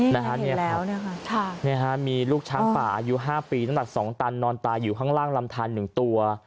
นี่เห็นแล้วมีลูกช้างป่าอายุ๕ปีตั้งแต่๒ตันนอนตายอยู่ข้างล่างลำทาน๑ตัว